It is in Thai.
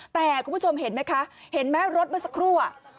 แต่คุณผู้ชมเห็นไหมคะเห็นไหมรถเมื่อสักครู่